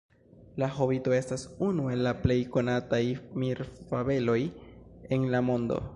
La Hobito estas unu el la plej konataj mirfabeloj en la mondo.